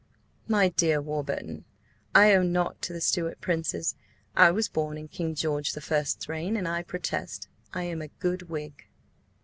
"My dear Warburton, I owe nought to the Stuart princes. I was born in King George the First's reign, and I protest I am a good Whig."